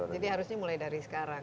jadi harusnya mulai dari sekarang